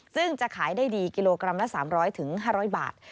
ซึ่งจะขายได้ดีกิโลกรัมละ๓๐๐๕๐๐บาท